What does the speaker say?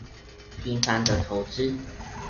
平凡的投資